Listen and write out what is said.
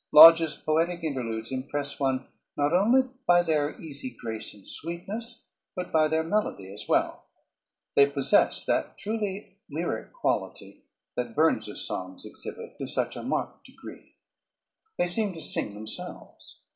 Lodge's poetic interludes impress one not only by their easy grace and sweetness, but by their melody as well. They possess that truly lyric quality that Burns's songs exhibit to such a marked degree. They seem to sing themselves.